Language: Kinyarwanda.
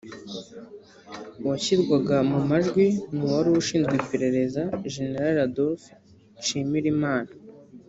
Uwashyirwaga mu majwi ni uwari ushinzwe iperereza Jenerali Adolphe Nshimirimana